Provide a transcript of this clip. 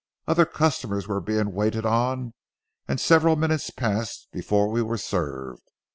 Other customers were being waited on, and several minutes passed before we were served.